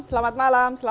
selamat malam bu sri